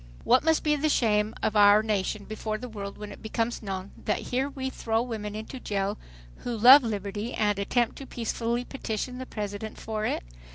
What must be the shame of our nation before the world when it becomes known that here we throw women into jail who love liberty and attempt to peacefully petition the President for it?